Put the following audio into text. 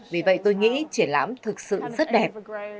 vì vậy tôi nghĩ triển lãm thực sự rất đẹp